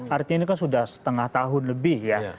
artinya ini kan sudah setengah tahun lebih ya